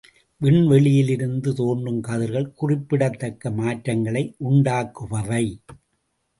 விண்வெளியிலிருந்து தோன்றுங் கதிர்கள் குறிப்பிடத் தக்க மாற்றங்களை உண்டாக்குபவை.